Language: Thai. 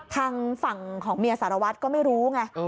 ทางฝั่งของเมียสารวัตรก็ไม่รู้ไง